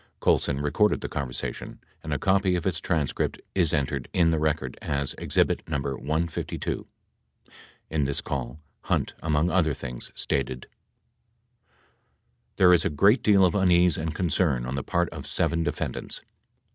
Colson recorded the conversation and a copy of its transcript is entered in the record as exhibit No. 152. 1 In this call, Hunt, among other things, stated :••• I T]here is a great deal of unease and concern on the part of 7 defendants